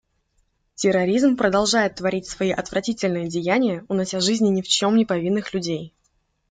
Терроризм продолжает творить свои отвратительные деяния, унося жизни ни в чем не повинных людей.